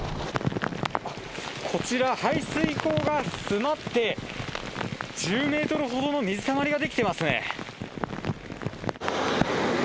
こちら、排水溝が詰まって、１０メートルほどの水たまりが出来てますね。